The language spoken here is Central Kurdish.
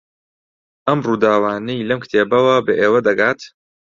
ئەم ڕووداوانەی لەم کتێبەوە بە ئێوە دەگات